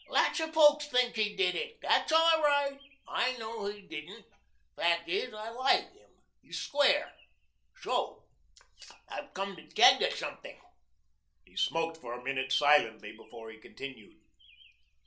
Lots of folks think he did it. That's all right. I know he didn't. Fact is, I like him. He's square. So I've come to tell you something." He smoked for a minute silently before he continued.